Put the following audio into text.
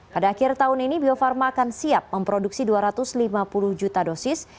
pada akhir tahun ini bio farma akan siap memproduksi dua ratus lima puluh juta dosis